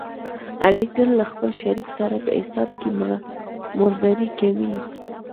علي تل له خپل شریک سره په حساب کې مردارې کوي.